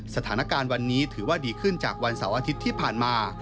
สถานการณ์วันนี้ถือว่าดีขึ้นจากวันเสาร์อาทิตย์ที่ผ่านมา